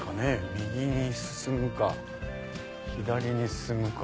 右に進むか左に進むか。